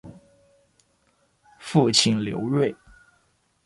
父亲刘锐。